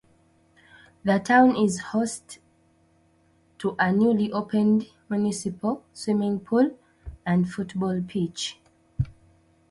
The town is host to a newly opened municipal swimming pool and football pitch.